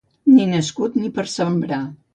Ni nascut ni per sembrar.